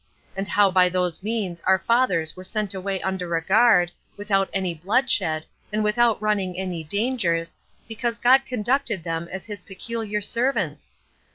and how by those means our fathers were sent away under a guard, without any bloodshed, and without running any dangers, because God conducted them as his peculiar servants?